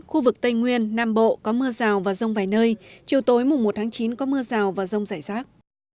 khu vực tây nguyên nam bộ có mưa rào và rông vài nơi chiều tối mùng một tháng chín có mưa rào và rông rải rác